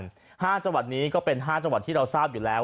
๕จังหวัดนี้ก็เป็น๕จังหวัดที่เราทราบอยู่แล้ว